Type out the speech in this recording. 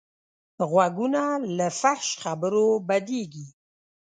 غوږونه له فحش خبرو بدېږي